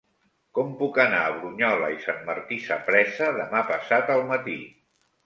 Com puc anar a Brunyola i Sant Martí Sapresa demà passat al matí?